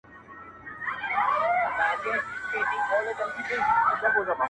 ته چي نه يې، کړي به چي ټکور باڼه_